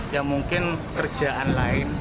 ya mungkin kerjaan lain